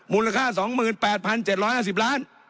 มูลค่าสองหมื่นแปดพันเจ็ดร้อยห้าสิบล้าน